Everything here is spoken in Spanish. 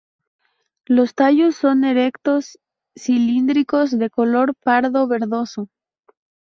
Los tallos son erectos cilíndricos, de color pardo verdoso.